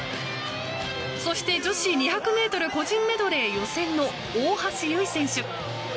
そして女子２００ｍ個人メドレー予選の大橋悠依選手。